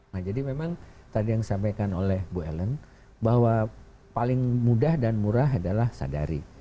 nah jadi memang tadi yang disampaikan oleh bu ellen bahwa paling mudah dan murah adalah sadari